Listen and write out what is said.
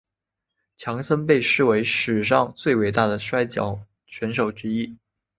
强森被视为史上最伟大的摔角选手之一。